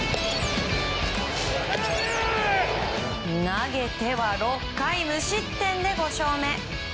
投げては６回無失点で５勝目。